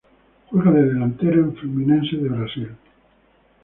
Juega de delantero en Fluminense de Brasil.